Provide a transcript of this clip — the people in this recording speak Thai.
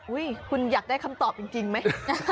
คุณอยากได้คำตอบจริงไหม